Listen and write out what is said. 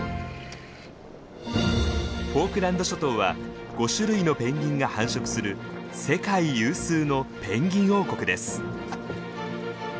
フォークランド諸島は５種類のペンギンが繁殖する世界有数の「ペンギン王国」です。